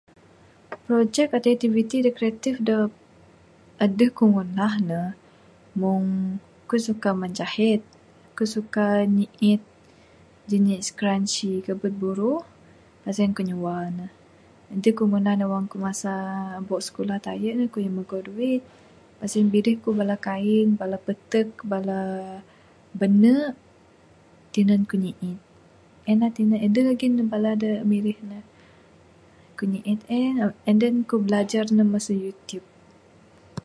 Projek atau aktiviti da kreatif da adeh ku ngunah ne meng...aku suka menjahit...aku suka nyiit janik scrunchie kabet buruh pas en ku nyua ne...adeh ku ngunah ne wang ku masa ubo sikulah tayen ne ku magau duit pas en birih ku bala kain bala petek bala bane tinan ku nyiit...en la tinan...adeh lagih bala da mirih ne...ku nyiit en and then ku bilajar ne masu YouTube.